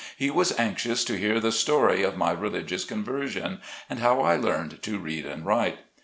He was anxious to hear the story of my religious conversion, and how I learned to read and write.